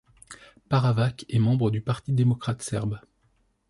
Paravac est membre du Parti démocrate serbe.